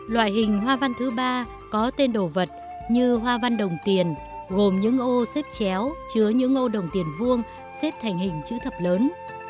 loại hình hoa văn thứ ba có tên đồ vật như hoa văn đồng tiền gồm những ô xếp chéo chứa những ngô đồng tiền vuông xếp thành hình chữ thập lớn